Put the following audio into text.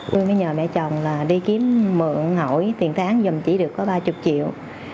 tôi mới nhờ mẹ chồng đi kiếm mượn hỏi tiền tháng dùm chỉ được có ba mươi triệu